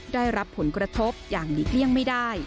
ได้รับผลกระทบอย่างหลีกเลี่ยงไม่ได้